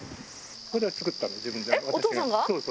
これ作ったの、自分で。